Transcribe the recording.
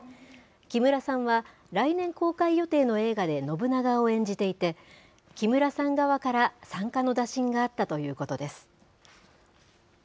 木村さんは来年公開予定の映画で信長を演じていて、木村さん側から参加の打診があったということです。